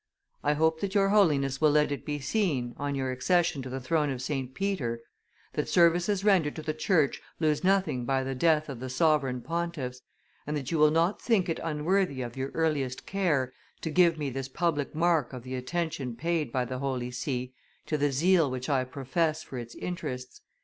I hope that Your Holiness will let it be seen, on your accession to the throne of St. Peter, that services rendered to the Church lose nothing by the death of the sovereign pontiffs, and that you will not think it unworthy of your earliest care to give me this public mark of the attention paid by the Holy See to the zeal which I profess for its interests.